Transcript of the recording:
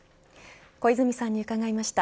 小泉さんに伺いました。